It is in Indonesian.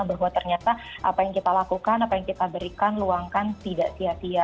bahwa ternyata apa yang kita lakukan apa yang kita berikan luangkan tidak sia sia